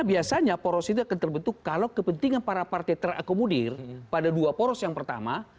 biasanya poros itu akan terbentuk kalau kepentingan para partai terakomodir pada dua poros yang pertama